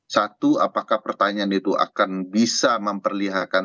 satu apakah pertanyaan itu akan bisa memperlihatkan